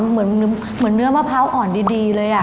เหมือนเนื้อมะพร้าวอ่อนดีเลย